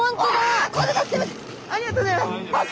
ありがとうございます。